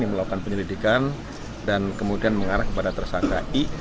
yang melakukan penyelidikan dan kemudian mengarah kepada tersangka i